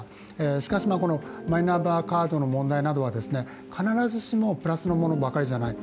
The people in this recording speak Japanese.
しかしマイナンバーカードの問題などは必ずしもプラスのものばかりではない。